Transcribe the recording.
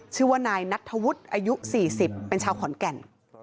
ชื่อว่านายนัทธวุฒิอายุ๔๐เป็นชาวขอนแก่น